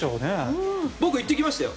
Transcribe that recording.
僕、行ってきましたよ。